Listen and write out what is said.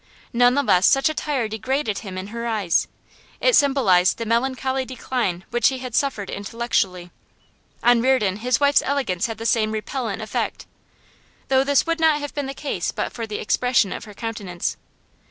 None the less such attire degraded him in her eyes; it symbolised the melancholy decline which he had suffered intellectually. On Reardon his wife's elegance had the same repellent effect, though this would not have been the case but for the expression of her countenance.